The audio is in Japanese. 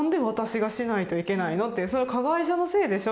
「それ加害者のせいでしょ。